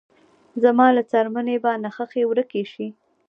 زما له څرمنې به نخښې ورکې شې